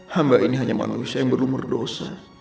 hamba ini hanya manusia yang berumur dosa